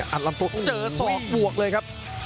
ลำตัวเจอศอกบวกเลยครับ